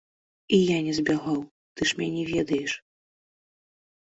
І я не збягаў, ты ж мяне ведаеш.